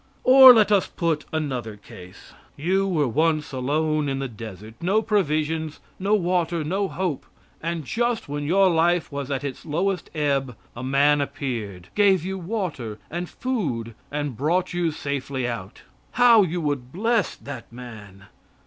Or, let us put another case. You were once alone in the desert no provisions, no water, no hope, just when your life was at its lowest ebb a man appeared, gave you water and food and brought you safely out. How you would bless that man.